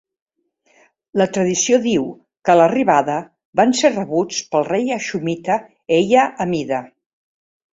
La tradició diu que a l'arribada van ser rebuts pel rei axumita Ella Amida.